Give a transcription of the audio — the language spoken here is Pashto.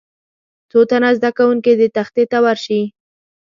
څو تنه زده کوونکي دې تختې ته ورشي.